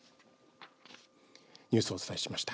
ニュースをお伝えしました。